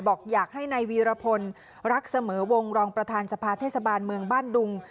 บอกอยากให้นายวีรพลรักเสมอวงรองประธานสภาเทศบาลเมืองบ้านดุง